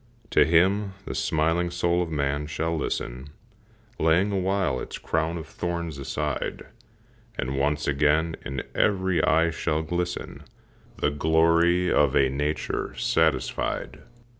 To him the smiling soul of man shall listen, Laying awhile its crown of thorns aside, And once again in every eye shall glisten The glory of a nature satisfied.